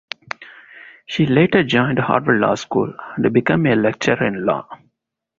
She later joined Harvard Law School and become a lecturer in law.